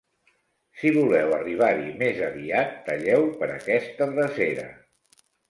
Si voleu arribar-hi més aviat, talleu per aquesta drecera.